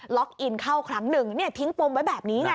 ล็อกอินเข้าครั้งหนึ่งทิ้งปมไว้แบบนี้